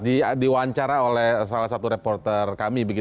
diwawancara oleh salah satu reporter kami